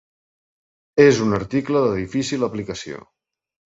És un article de difícil aplicació.